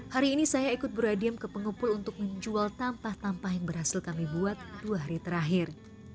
hari ini saya ikut buradiem ke pengepul untuk menjual tampah tampah yang berhasil kami buat dua hari terakhir